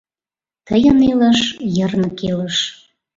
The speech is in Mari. Тыйын илыш — йырнык илыш.